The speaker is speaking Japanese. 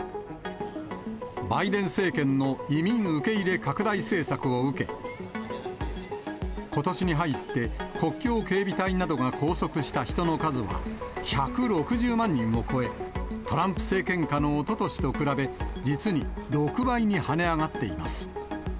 バイデン政権の移民受け入れ拡大政策を受け、ことしに入って、国境警備隊などが拘束した人の数は１６０万人を超え、トランプ政権下のおととしと比べ、実に６倍に跳ね上がっています。